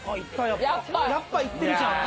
やっぱいってるじゃん。